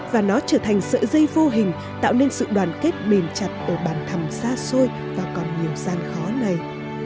và nó trở thành sợi dây vô hình tạo nên sự đoàn kết bền chặt ở bàn thầm xa xôi và còn nhiều gian khó này